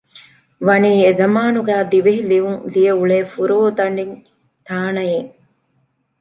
ވަނީ އެ ޒަމާނުގެ ދިވެހި ލިޔުން ލިޔެ އުޅޭ ފުރޯދަނޑި ތާނައިން